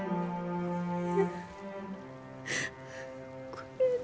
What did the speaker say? ごめんね。